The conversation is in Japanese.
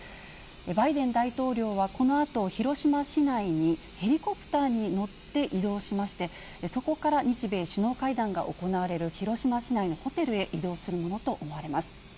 バイデン大統領はこのあと、広島市内に、ヘリコプターに乗って移動しまして、そこから日米首脳会談が行われる広島市内のホテルへ移動するものと思われます。